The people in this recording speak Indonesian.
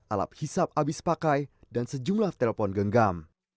alap hisap abis pakai dan sejumlah telepon genggam